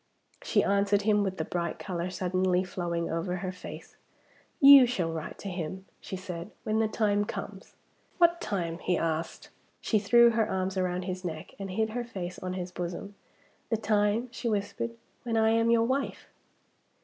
She answered him, with the bright color suddenly flowing over her face. "You shall write to him," she said, "when the time comes." "What time?" he asked. She threw her arms round his neck, and hid her face on his bosom. "The time," she whispered, "when I am your wife."